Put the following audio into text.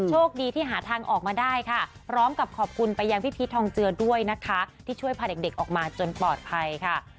โชคดีที่หาทางออกมาได้ค่ะพร้อมกับขอบคุณไปยังพี่พีชทองเจือด้วยนะคะที่ช่วยพาเด็กออกมาจนปลอดภัยค่ะ